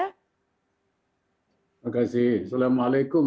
terima kasih assalamualaikum